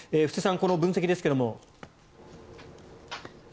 布施さん、この分析ですけども。